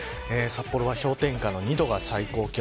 札幌は氷点下の２度が最高気温。